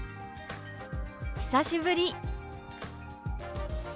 「久しぶり」。